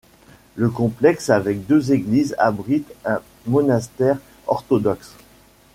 Le complexe avec deux églises abrite un monastère orthodoxe.